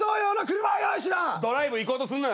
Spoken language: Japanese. ドライブ行こうとすんな。